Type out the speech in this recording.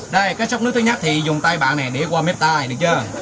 đây cái sốc nước thứ nhất thì dùng tay bạn này để qua mép tay được chưa